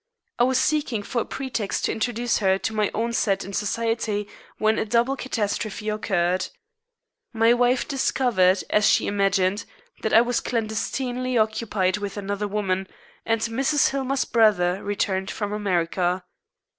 I was seeking for a pretext to introduce her to her own set in society, when a double catastrophe occurred. My wife discovered, as she imagined, that I was clandestinely occupied with another woman, and Mrs. Hillmer's brother returned from America.